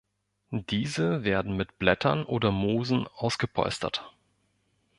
Diese werden mit Blättern oder Moosen ausgepolstert.